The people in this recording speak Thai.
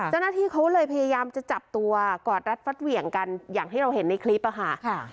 เจ้าหน้าที่เขาเลยพยายามจะจับตัวกอดรัดฟัดเหวี่ยงกันอย่างที่เราเห็นในคลิปอะค่ะ